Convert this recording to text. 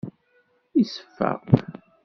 Iseffeq.